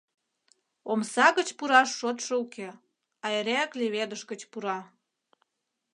Омса гыч пураш шотшо уке, а эреак леведыш гыч пура.